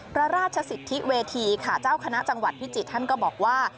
พระราชสิทธิเวทีค่ะเจ้าคณะจังหวัดพิจิตรท่านก็บอกว่า